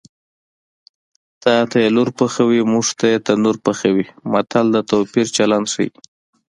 تاته یې لور پخوي موږ ته یې تنور پخوي متل د توپیر چلند ښيي